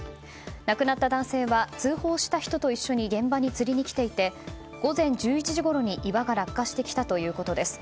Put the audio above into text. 亡くなった男性は通報した人と一緒に現場に釣りに来ていて午前１１時ごろに岩が落下してきたということです。